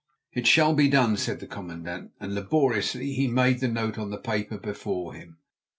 "It shall be done," said the commandant, and laboriously he made the note on the paper before him.